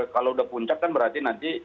kalau udah puncak kan berarti nanti